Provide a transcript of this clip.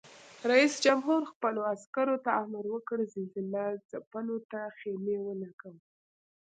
رئیس جمهور خپلو عسکرو ته امر وکړ؛ زلزله ځپلو ته خېمې ولګوئ!